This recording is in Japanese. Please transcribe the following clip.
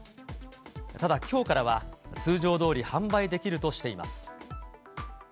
ただ、きょうからは通常どおり販売できるとしています。